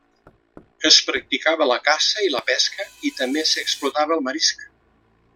Es practicaven la caça i la pesca i també s'explotava el marisc.